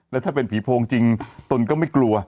แล้วถ้าเป็นผีโพงจริงตนก็ไม่กลัว